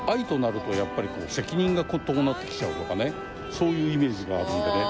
そういうイメージがあるのでね。